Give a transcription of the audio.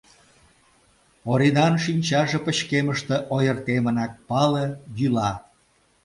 Оринан шинчаже пычкемыште ойыртемынак пале — йӱла..